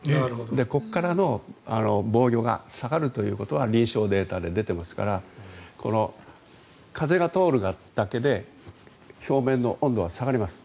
ここからの防御が下がるということは臨床データで出てますから風が通るだけで表面の温度が下がります。